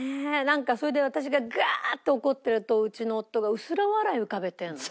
なんかそれで私がガーって怒ってるとうちの夫が薄ら笑い浮かべてるの。